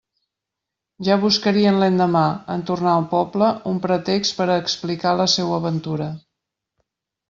Ja buscarien l'endemà, en tornar al poble, un pretext per a explicar la seua aventura.